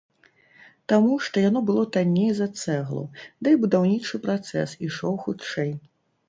Таму, што яно было танней за цэглу, да і будаўнічы працэс ішоў хутчэй.